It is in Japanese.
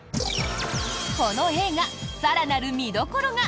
この映画、更なる見どころが。